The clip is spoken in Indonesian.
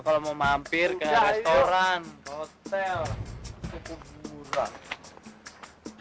kalau mau mampir ke restoran hotel ke kuburan